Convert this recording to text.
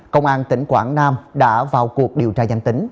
công an tỉnh quảng nam đã vào cuộc điều tra